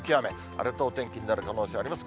荒れたお天気になる可能性があります。